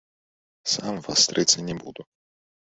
Сам вастрыцца не буду.